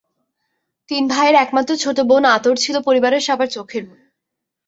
তিন ভাইয়ের একমাত্র ছোট বোন আতর ছিল পরিবারের সবার চোখের মণি।